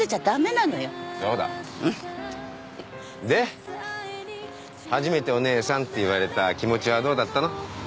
で初めてお姉さんって言われた気持ちはどうだったの？